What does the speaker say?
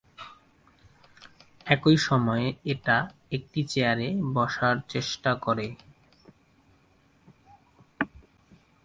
একই সময়ে, "এটা" একটি চেয়ারে বসার চেষ্টা করে।